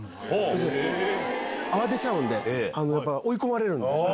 慌てちゃうんでやっぱ追い込まれるんで。